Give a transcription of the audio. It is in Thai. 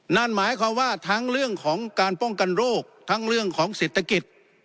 นั่นหมายความว่าทั้งเรื่องของการป้องกันโรคทั้งเรื่องของเศรษฐกิจ